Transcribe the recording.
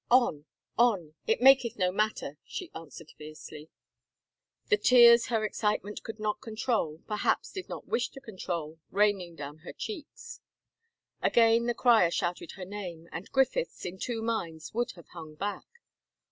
" On, on, it maketh no matter," she answered fiercely, the tears her excitement could not control, perhaps did not wish to control, raining down her cheeks. Again the crier shouted her name, and Griffeths, in two minds, would have hung back.